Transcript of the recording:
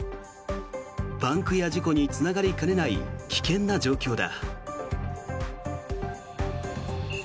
パンクや事故につながりかねない危険な状況だ。